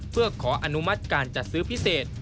เพื่อขออนุมัติการจัดซื้อพิเศษ